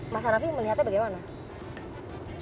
mas hanafi melihatnya bagaimana